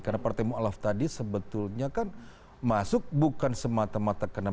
karena partai mu'alaf tadi sebetulnya kan masuk bukan semata mata karena